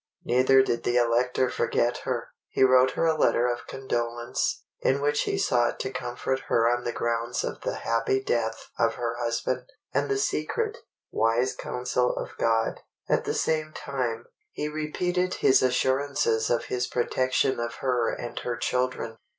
Neither did the Elector forget her. He wrote her a letter of condolence, in which he sought to comfort her on the grounds of the happy death of her husband, and the secret, wise councils of God. At the same time, he repeated his assurances of his protection of her and her children.